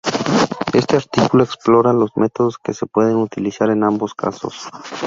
Este artículo explora los métodos que se pueden utilizar en ambos casos